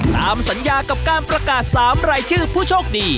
ตามสัญญากับการประกาศ๓รายชื่อผู้โชคดี